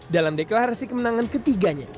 dalam deklarasi kemenangan ketiganya